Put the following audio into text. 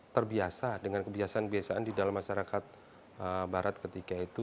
terbiasa dengan kebiasaan kebiasaan di dalam masyarakat barat ketika itu